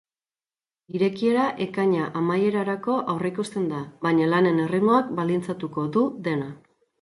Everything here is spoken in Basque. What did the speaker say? Irekiera ekaina amaierarako aurreikusten da, baina lanen erritmoak baldintzatuko du dena.